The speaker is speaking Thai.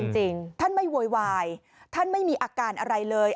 จริงท่านไม่โวยวายท่านไม่มีอาการอะไรเลย